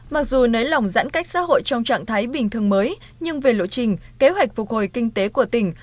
mặc dù nới lỏng giãn cách xã hội trong trạng thái bình thường mới nhưng về lộ trình kế hoạch phục hồi kinh tế của tỉnh